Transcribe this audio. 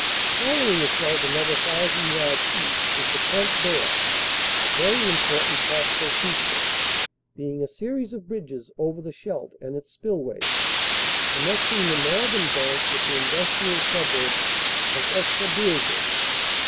Following the Scheldt another thousand yards east is the Pont d Aire, a very important tactical feature, being a series of bridges over the Scheldt and its spillways, connecting the northern bank with the industrial suburb of Escaudoeuvres.